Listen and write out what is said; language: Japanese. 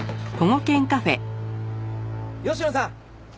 吉野さん！